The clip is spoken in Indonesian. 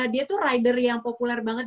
dia tuh rider yang populer banget